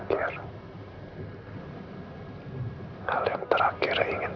kamu sudah bangun